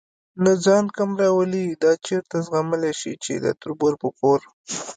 نه ځان کم راولي، دا چېرته زغملی شي چې د تربور په کور.